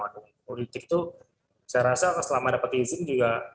saya rasa selama dapat izin juga